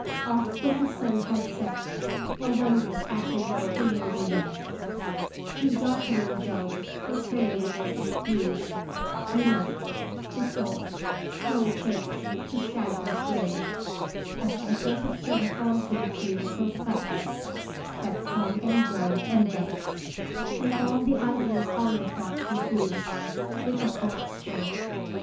Oft when the sun has set A wondrous afterglow will linger yet ; Through darkening dome the trailing gorgeous hues Unite, dissolve, slow change to shadows gray As echoes of some haunting tune perplex, That come and go and vex, And all the idler's hollow thought confuse With occult sway.